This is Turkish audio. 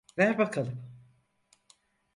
Ver bakalım.